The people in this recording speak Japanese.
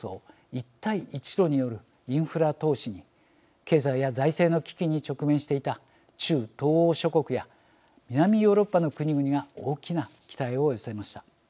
一帯一路によるインフラ投資に経済や財政の危機に直面していた中東欧諸国や南ヨーロッパの国々が大きな期待を寄せました。